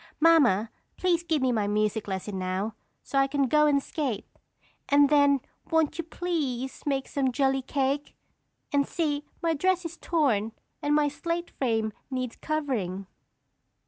_ Mamma, please give me my music lesson now, so I can go and skate; and then won't you please make some jelly cake? And see, my dress is torn, and my slate frame needs covering.